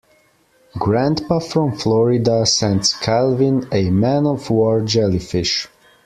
Grandpa from Florida sends Calvin a Man-of-War jellyfish.